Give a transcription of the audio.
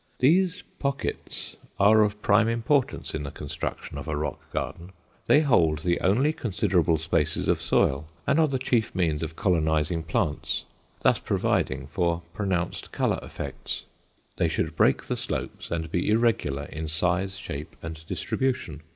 These pockets are of prime importance in the construction of a rock garden. They hold the only considerable spaces of soil and are the chief means of colonizing plants, thus providing for pronounced color effects. They should break the slopes and be irregular in size, shape, and distribution.